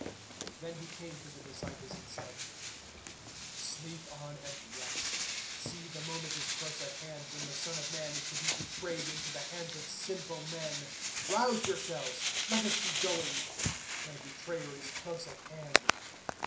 026:045 Then He came to the disciples and said, "Sleep on and rest. See, the moment is close at hand when the Son of Man is to be betrayed into the hands of sinful men. 026:046 Rouse yourselves. Let us be going. My betrayer is close at hand."